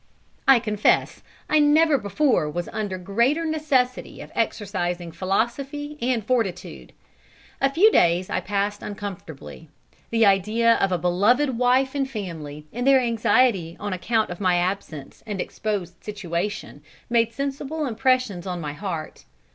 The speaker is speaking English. I confess I never before was under greater necessity of exercising philosophy and fortitude. A few days I passed uncomfortably. The idea of a beloved wife and family, and their anxiety on account of my absence and exposed situation, made sensible impressions on my heart.